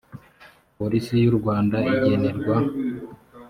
polisi y u rwanda igenerwa